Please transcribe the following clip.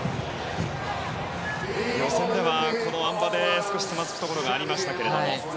予選ではこのあん馬で少しつまずくところがありました。